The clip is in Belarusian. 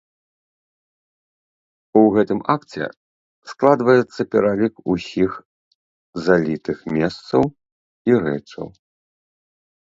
У гэтым акце складваецца пералік усіх залітых месцаў і рэчаў.